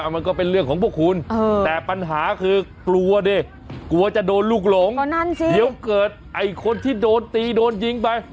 มันก็เป็นเรื่องของพวกคุณแต่ปัญหาคือกลัวดิกลัวจะโดนลูกหลงเดี๋ยวเกิดไอ้คนที่โดนตีโดนยิงไป